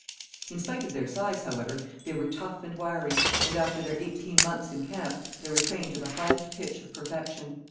In spite of their size, however, they were tough and wiry, and after their eighteen months in camp they were trained to the highest pitch of perfection.